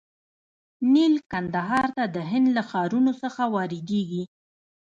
نیل کندهار ته د هند له ښارونو څخه واردیږي.